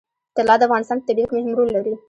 طلا د افغانستان په طبیعت کې مهم رول لري.